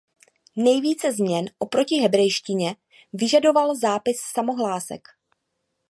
Nejvíce změn oproti hebrejštině vyžadoval zápis samohlásek.